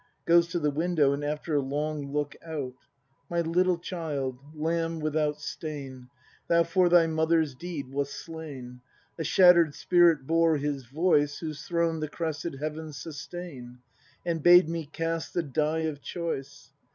[Goes to the windoiv, and after a lonrj look out:] My little child, lamb without stain. Thou for thy mother's deed wast slain; A shatter'd spirit bore His voice Whose throne llie crested heavens sustain. And bade me cast the die of choice.